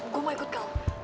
gue mau ikut kak